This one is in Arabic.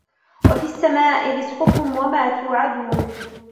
وفي السماء رزقكم وما توعدون